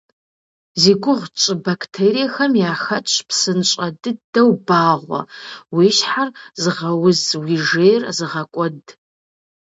Зи гугъу тщӀы бактериехэм яхэтщ псынщӀэ дыдэу багъуэ, уи щхьэр зыгъэуз, уи жейр зыгъэкӀуэд.